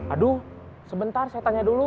aduh sebentar saya tanya dulu